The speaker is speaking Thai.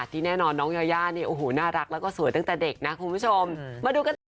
ที่แน่นอนน้องยายาด้วยน่ารักแล้วก็สวยตั้งแต่เด็กนะคุณผู้ชม